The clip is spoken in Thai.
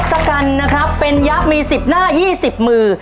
สกันนะครับเป็นยักษ์มี๑๐หน้า๒๐มือ